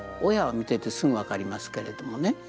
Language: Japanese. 親は見ていてすぐ分かりますけれどもね。